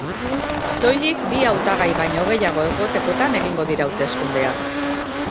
Soilik bi hautagai baino gehiago egotekotan egingo dira hauteskundeak.